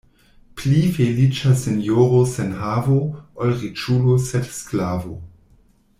Pli feliĉa sinjoro sen havo, ol riĉulo sed sklavo.